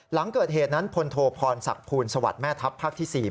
หลังเกิดเหตุนั้นพลโทพรศักดิ์ภูลสวัสดิ์แม่ทัพภาคที่๔